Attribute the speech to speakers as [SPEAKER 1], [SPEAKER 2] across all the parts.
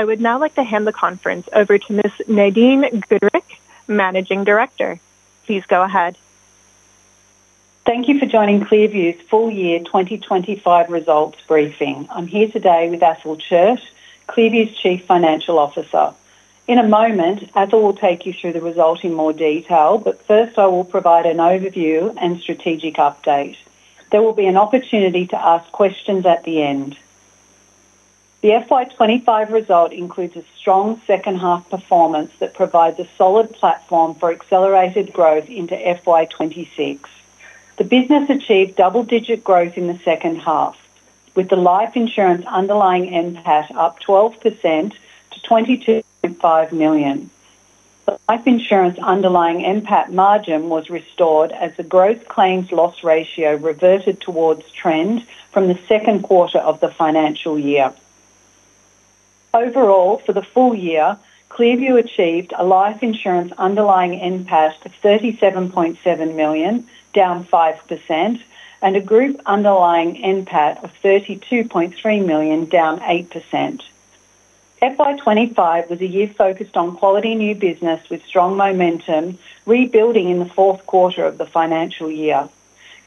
[SPEAKER 1] I would now like to hand the conference over to Ms. Nadine Gooderick, Managing Director. Please go ahead.
[SPEAKER 2] Thank you for joining ClearView's Full-Year 2025 Results Briefing. I'm here today with Athol Chiert, ClearView's Chief Financial Officer. In a moment, Athol will take you through the results in more detail, but first I will provide an overview and strategic update. There will be an opportunity to ask questions at the end. The FY 2025 result includes a strong second-half performance that provides a solid platform for accelerated growth into FY 2026. The business achieved double-digit growth in the second half, with the life insurance underlying NPAT up 12% to AUD 22.5 million. The life insurance underlying NPAT margin was restored as the growth claims/loss ratio reverted towards trend from the second quarter of the financial year. Overall, for the full year, ClearView achieved a life insurance underlying NPAT of 37.7 million, down 5%, and a group underlying NPAT of 32.3 million, down 8%. FY 2025 was a year focused on quality new business with strong momentum, rebuilding in the fourth quarter of the financial year.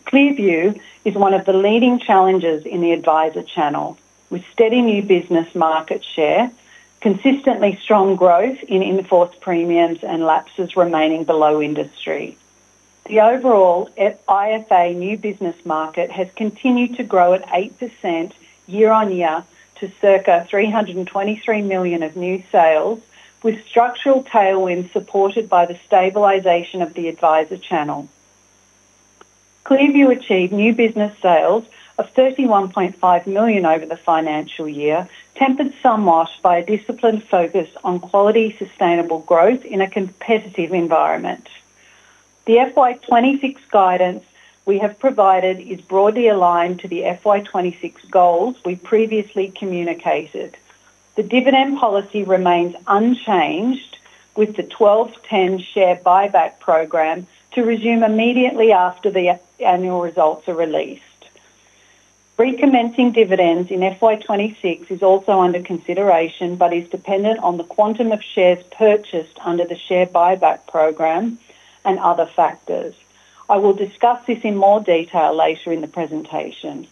[SPEAKER 2] ClearView is one of the leading challengers in the advisor channel, with steady new business market share, consistently strong growth in invoice premiums, and lapses remaining below industry. The overall IFA new business market has continued to grow at 8% year-on-year to circa 323 million of new sales, with structural tailwinds supported by the stabilization of the advisor channel. ClearView achieved new business sales of 31.5 million over the financial year, tempered somewhat by a disciplined focus on quality sustainable growth in a competitive environment. The FY 2026 guidance we have provided is broadly aligned to the FY 2026 goals we previously communicated. The dividend policy remains unchanged, with the 12/10 share buyback program to resume immediately after the annual results are released. Recommencing dividends in FY 2026 is also under consideration, but is dependent on the quantum of shares purchased under the share buyback program and other factors. I will discuss this in more detail later in the presentation.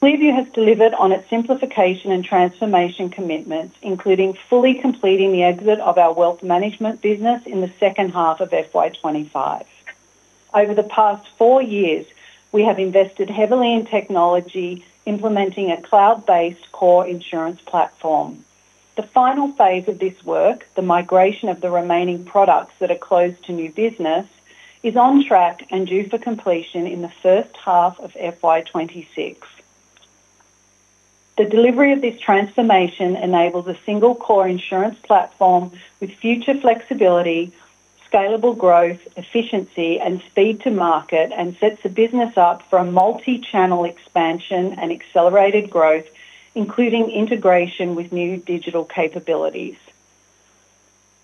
[SPEAKER 2] ClearView has delivered on its simplification and transformation commitments, including fully completing the exit of our wealth management business in the second half of FY 2025. Over the past four years, we have invested heavily in technology, implementing a cloud-based core insurance platform. The final phase of this work, the migration of the remaining products that are closed to new business, is on track and due for completion in the first half of FY 2026. The delivery of this transformation enables a single core insurance platform with future flexibility, scalable growth, efficiency, and speed to market, and sets the business up for a multi-channel expansion and accelerated growth, including integration with new digital capabilities.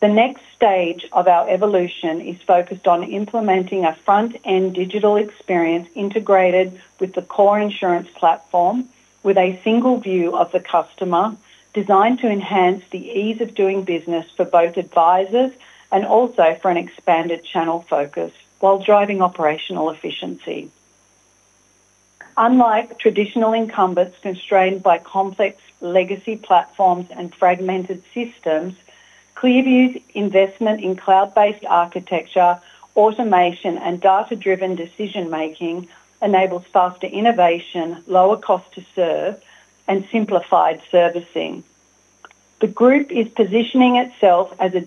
[SPEAKER 2] The next stage of our evolution is focused on implementing a front-end digital experience integrated with the core insurance platform, with a single view of the customer, designed to enhance the ease of doing business for both advisors and also for an expanded channel focus while driving operational efficiency. Unlike traditional incumbents constrained by complex legacy platforms and fragmented systems, ClearView's investment in cloud-based architecture, automation, and data-driven decision-making enables faster innovation, lower cost to serve, and simplified servicing. The group is positioning itself as a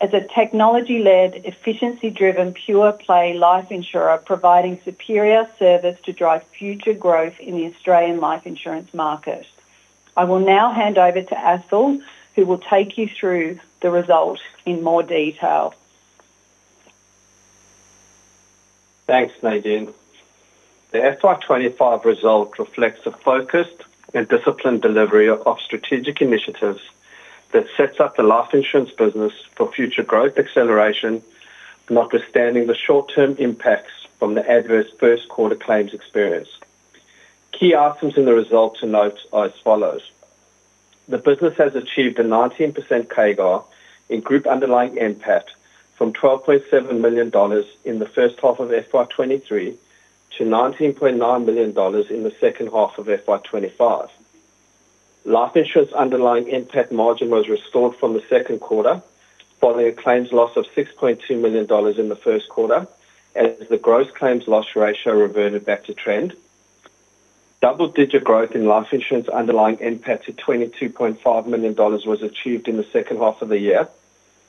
[SPEAKER 2] digital-led, technology-led, efficiency-driven, pure-play life insurer, providing superior service to drive future growth in the Australian life insurance market. I will now hand over to Athol, who will take you through the results in more detail.
[SPEAKER 3] Thanks, Nadine. The FY 2025 result reflects a focused and disciplined delivery of strategic initiatives that set up the life insurance business for future growth acceleration, notwithstanding the short-term impacts from the adverse first-quarter claims experience. Key outcomes in the result to note are as follows: the business has achieved a 19% CAGR in group underlying NPAT from 12.7 million dollars in the first half of FY 2023 to 19.9 million dollars in the second half of FY 2025. Life insurance underlying NPAT margin was restored from the second quarter following a claims loss of 6.2 million dollars in the first quarter, as the gross claims/loss ratio reverted back to trend. Double-digit growth in life insurance underlying NPAT to 22.5 million dollars was achieved in the second half of the year,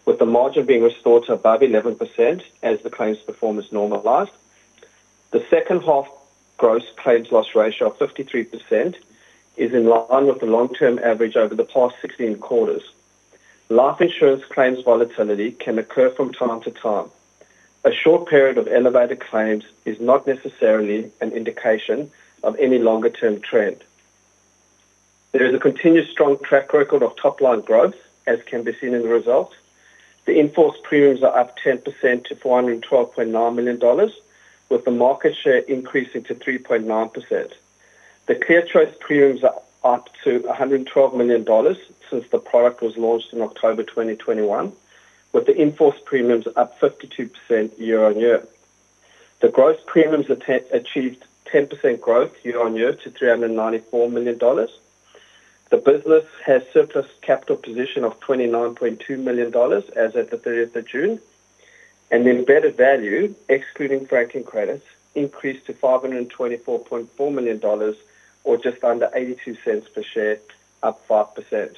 [SPEAKER 3] with the margin being restored to above 11% as the claims performance normalized. The second half gross claims/loss ratio of 53% is in line with the long-term average over the past 16 quarters. Life insurance claims volatility can occur from time to time. A short period of elevated claims is not necessarily an indication of any longer-term trend. There is a continued strong track record of top-line growth, as can be seen in the result. The invoice premiums are up 10% to 412.9 million dollars, with the market share increasing to 3.9%. The clear choice premiums are up to 112 million dollars since the product was launched in October 2021, with the invoice premiums up 52% year-on-year. The gross premiums achieved 10% growth year-on-year to 394 million dollars. The business has surplus capital position of 29.2 million dollars as of the 30th of June, and the embedded value, excluding franking credits, increased to 524.4 million dollars, or just under 0.82 per share, up 5%.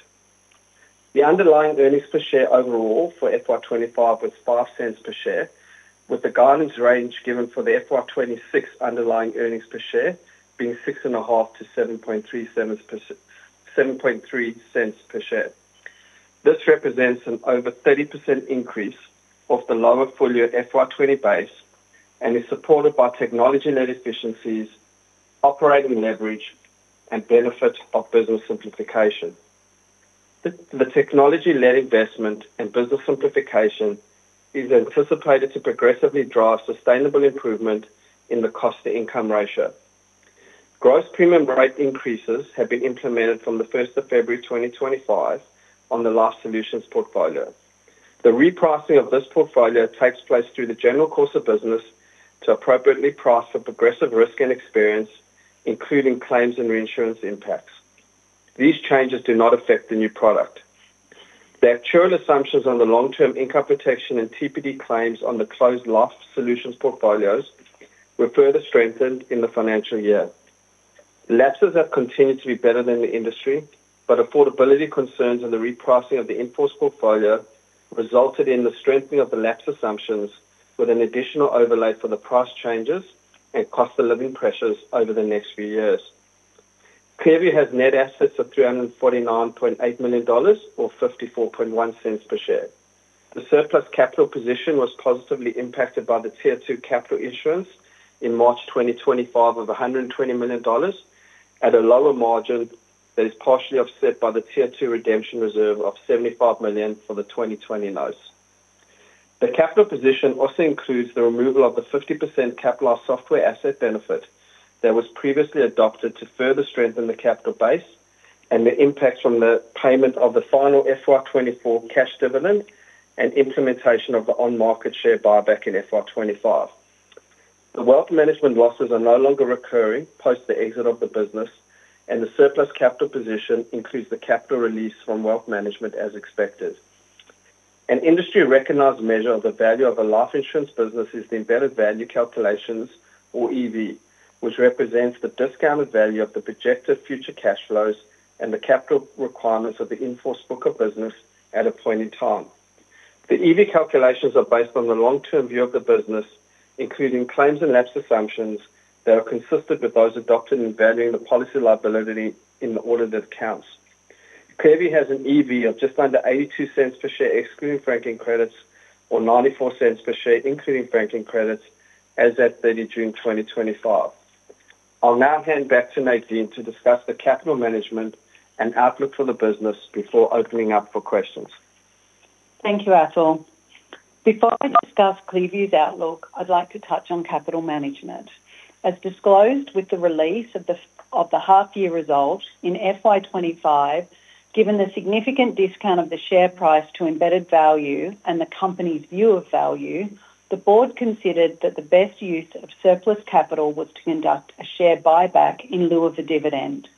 [SPEAKER 3] The underlying earnings per share overall for FY 2025 was 0.05 per share, with the guidance range given for the FY 2026 underlying earnings per share being 0.065-0.073 per share. This represents an over 30% increase of the lower full-year FY 2020 base and is supported by technology-led efficiencies, operating leverage, and benefit of business simplification. The technology-led investment and business simplification is anticipated to progressively drive sustainable improvement in the cost-to-income ratio. Gross premium rate increases have been implemented from the 1st of February 2025 on the life solutions portfolio. The repricing of this portfolio takes place through the general course of business to appropriately price for progressive risk and experience, including claims and reinsurance impacts. These changes do not affect the new product. The actuarial assumptions on the long-term income protection and TPD claims on the closed life solutions portfolios were further strengthened in the financial year. Lapses have continued to be better than the industry, but affordability concerns in the repricing of the invoice portfolio resulted in the strengthening of the lapse assumptions, with an additional overlay for the price changes and cost of living pressures over the next few years. ClearView has net assets of 349.8 million dollars, or 0.541 per share. The surplus capital position was positively impacted by the Tier 2 capital issuance in March 2025 of 120 million dollars, at a lower margin that is partially offset by the Tier 2 redemption reserve of 75 million for the 2020 notes. The capital position also includes the removal of the 50% capitalized software asset benefit that was previously adopted to further strengthen the capital base and the impacts from the payment of the final FY 2024 cash dividend and implementation of the on-market share buyback in FY 2025. The wealth management losses are no longer recurring post the exit of the business, and the surplus capital position includes the capital release from wealth management as expected. An industry-recognized measure of the value of a life insurance business is the embedded value calculations, or EV, which represents the discounted value of the projected future cash flows and the capital requirements of the invoice book of business at a point in time. The EV calculations are based on the long-term view of the business, including claims and lapse assumptions that are consistent with those adopted in valuing the policy liability in the order that counts. ClearView has an EV of just under 0.82 per share, excluding franking credits, or 0.94 per share, including franking credits, as at 30 June 2025. I'll now hand back to Nadine to discuss the capital management and outlook for the business before opening up for questions.
[SPEAKER 2] Thank you, Athol. Before we discuss ClearView's outlook, I'd like to touch on capital management. As disclosed with the release of the half-year results in FY 2025, given the significant discount of the share price to embedded value and the company's view of value, the board considered that the best use of surplus capital was to conduct a share buyback in lieu of a dividend.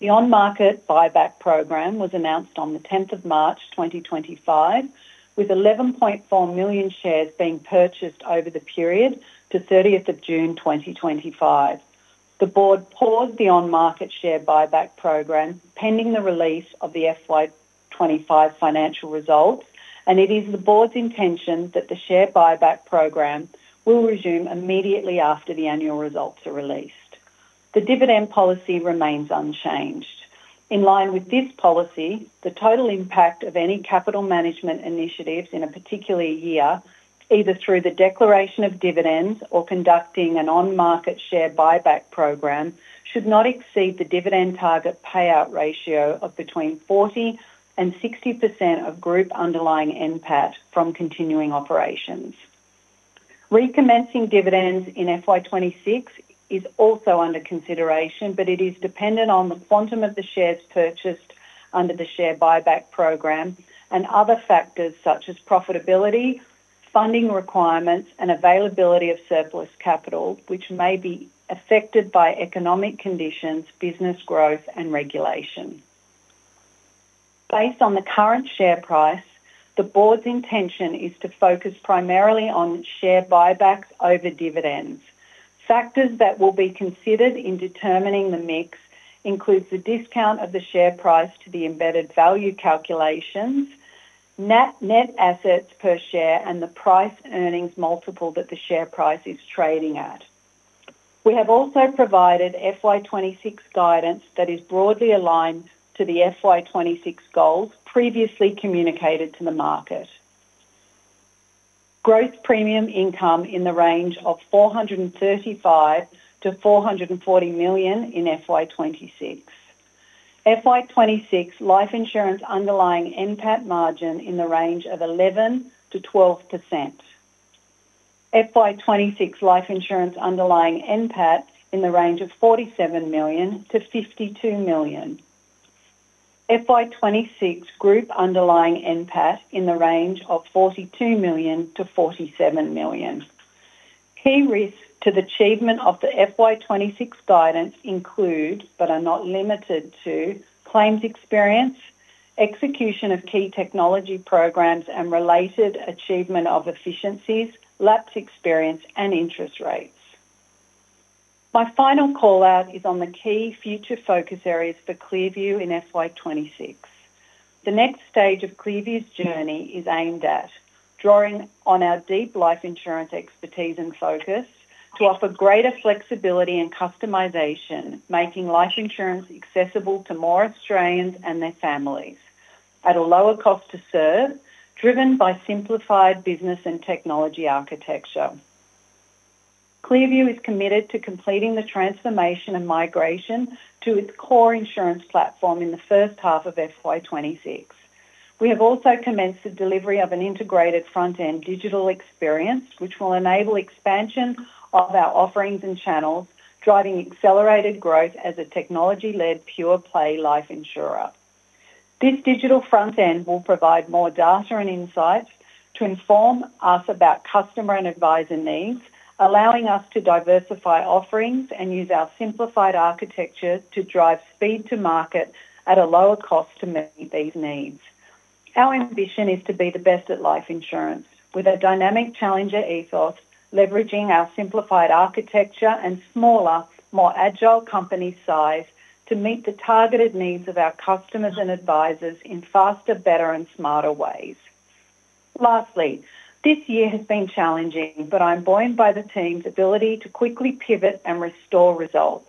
[SPEAKER 2] The on-market buyback program was announced on 10th March 2025, with 11.4 million shares being purchased over the period to 30th June 2025. The board paused the on-market share buyback program pending the release of the FY 2025 financial results, and it is the board's intention that the share buyback program will resume immediately after the annual results are released. The dividend policy remains unchanged. In line with this policy, the total impact of any capital management initiatives in a particular year, either through the declaration of dividends or conducting an on-market share buyback program, should not exceed the dividend target payout ratio of between 40% and 60% of group underlying NPAT from continuing operations. Recommencing dividends in FY 2026 is also under consideration, but it is dependent on the quantum of the shares purchased under the share buyback program and other factors such as profitability, funding requirements, and availability of surplus capital, which may be affected by economic conditions, business growth, and regulation. Based on the current share price, the board's intention is to focus primarily on share buybacks over dividends. Factors that will be considered in determining the mix include the discount of the share price to the embedded value calculations, net assets per share, and the price earnings multiple that the share price is trading at. We have also provided FY 2026 guidance that is broadly aligned to the FY 2026 goals previously communicated to the market. Growth premium income in the range of 435 million-440 million in FY 2026. FY 2026 life insurance underlying NPAT margin in the range of 11%-12%. FY 2026 life insurance underlying NPAT in the range of 47 million-52 million. FY 2026 group underlying NPAT in the range of 42 million-47 million. Key risks to the achievement of the FY 2026 guidance include, but are not limited to, claims experience, execution of key technology programs, and related achievement of efficiencies, lapse experience, and interest rates. My final call-out is on the key future focus areas for ClearView in FY 2026. The next stage of ClearView's journey is aimed at drawing on our deep life insurance expertise and focus to offer greater flexibility and customization, making life insurance accessible to more Australians and their families at a lower cost to serve, driven by simplified business and technology architecture. ClearView is committed to completing the transformation and migration to its core insurance platform in the first half of FY 2026. We have also commenced the delivery of an integrated digital front-end experience, which will enable expansion of our offerings and channels, driving accelerated growth as a technology-led pure-play life insurer. This digital front-end will provide more data and insights to inform us about customer and advisor needs, allowing us to diversify offerings and use our simplified architecture to drive speed to market at a lower cost to meet these needs. Our ambition is to be the best at life insurance, with a dynamic challenger ethos, leveraging our simplified architecture and smaller, more agile company size to meet the targeted needs of our customers and advisors in faster, better, and smarter ways. Lastly, this year has been challenging, but I'm buoyed by the team's ability to quickly pivot and restore results.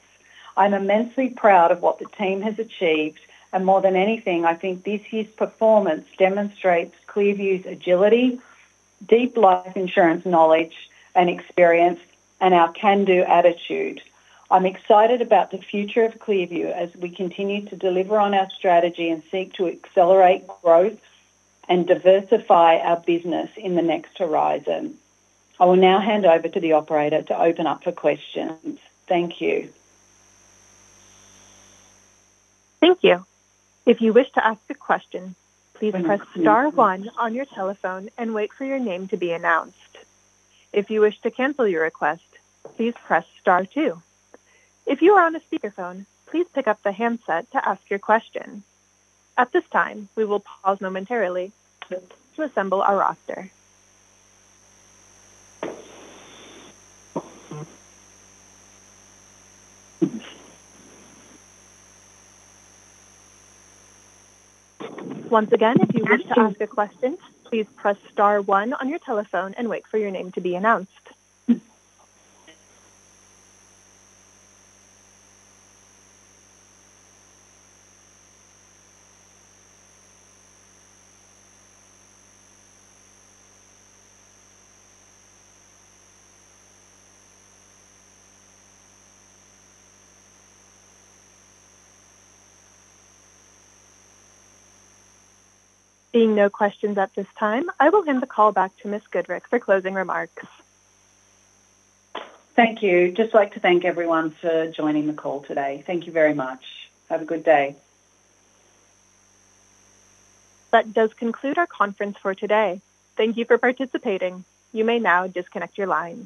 [SPEAKER 2] I'm immensely proud of what the team has achieved, and more than anything, I think this year's performance demonstrates ClearView's agility, deep life insurance knowledge and experience, and our can-do attitude. I'm excited about the future of ClearView as we continue to deliver on our strategy and seek to accelerate growth and diversify our business in the next horizon. I will now hand over to the operator to open up for questions. Thank you.
[SPEAKER 1] Thank you. If you wish to ask a question, please press star one on your telephone and wait for your name to be announced. If you wish to cancel your request, please press star two. If you are on a speakerphone, please pick up the handset to ask your question. At this time, we will pause momentarily to assemble our roster. Once again, if you wish to ask a question, please press star one on your telephone and wait for your name to be announced. Seeing no questions at this time, I will hand the call back to Ms. Gooderick for closing remarks.
[SPEAKER 2] Thank you. I'd just like to thank everyone for joining the call today. Thank you very much. Have a good day.
[SPEAKER 1] That does conclude our conference for today. Thank you for participating. You may now disconnect your line.